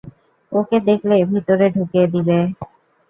ওকে দেখলে ভেতরে ঢুকিয়ে দেবে।